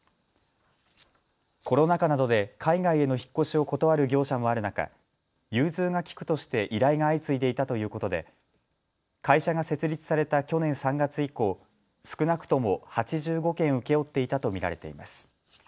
コロナ禍などで海外への引っ越しを断る業者もある中、融通が利くとして依頼が相次いでいたということで会社が設立された去年３月以降、少なくとも８５件請け負っていたと見られています。